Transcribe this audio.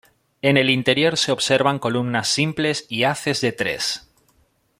En el interior se observan columnas simples y haces de tres.